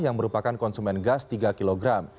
yang merupakan konsumen gas tiga kg